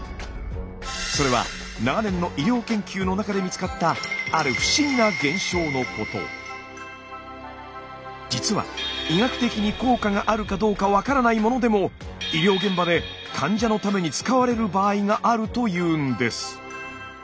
それは長年の医療研究の中で見つかったある実は医学的に効果があるかどうか分からないものでも医療現場で患者のために使われる場合があるというんです。